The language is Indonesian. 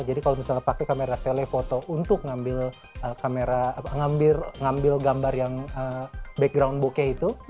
jadi kalau misalnya pakai kamera telephoto untuk ngambil gambar yang background bokeh itu